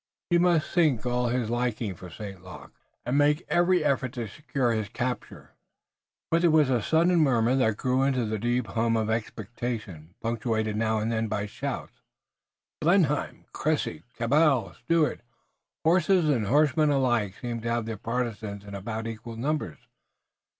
He must sink all his liking for St. Luc, and make every effort to secure his capture. But there was a sudden murmur that grew into a deep hum of expectation, punctuated now and then by shouts: "Blenheim!" "Cressy!" "Cabell!" "Stuart!" Horses and horsemen alike seemed to have their partisans in about equal numbers.